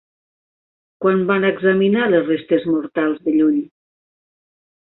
Quan van examinar les restes mortals de Llull?